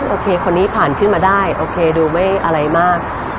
โอเคคนนี้ผ่านขึ้นมาได้โอเคดูไม่อะไรมาก